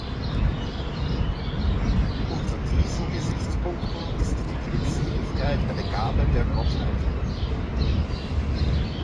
Unter diesen Gesichtspunkten ist die Glückseligkeit eine Gabe der Gottheit.